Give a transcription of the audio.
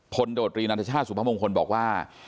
พลโดตรีณัทชาสุพภาคมงคลบอกว่า